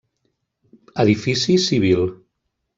Edifici civil.